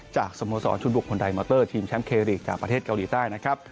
สโมสรชุดบุคคลไดมอเตอร์ทีมแชมป์เครีกจากประเทศเกาหลีใต้นะครับ